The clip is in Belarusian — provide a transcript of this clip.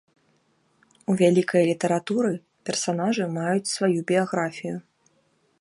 У вялікай літаратуры персанажы маюць сваю біяграфію.